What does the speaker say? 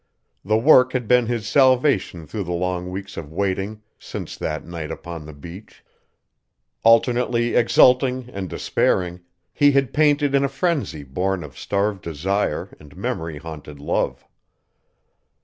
The work had been his salvation through the long weeks of waiting since that night upon the beach. Alternately exulting and despairing, he had painted in a frenzy born of starved desire and memory haunted love.